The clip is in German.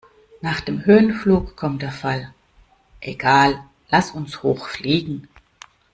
Nach dem Höhenflug kommt der Fall. Egal, lass uns hoch fliegen!